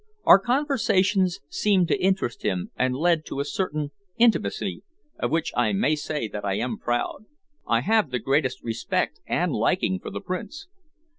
Our conversations seemed to interest him and led to a certain intimacy of which I may say that I am proud. I have the greatest respect and liking for the Prince."